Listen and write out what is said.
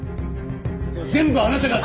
全部あなたが。